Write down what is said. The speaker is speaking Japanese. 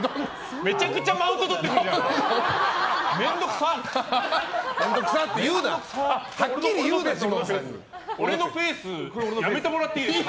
めちゃくちゃマウントとってくるじゃないですか。